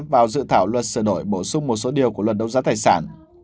vào dự thảo luật sửa đổi bổ sung một số điều của luật đấu giá tài sản